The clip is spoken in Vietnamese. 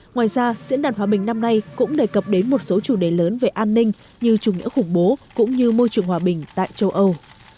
ngoài ra diễn đàn hòa bình năm nay cũng đề cập đến một số chủ đề lớn về an ninh như chủ nghĩa khủng bố cũng như môi trường hòa bình tại châu âu